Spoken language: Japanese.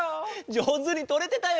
じょうずにとれてたよ。